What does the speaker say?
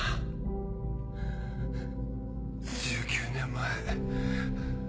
１９年前。